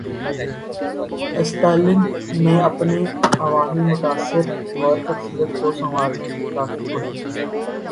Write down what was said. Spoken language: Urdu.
استالن نے اپنے عوامی تاثر اور شخصیت کو سنوارنے کی کافی کوشش کی۔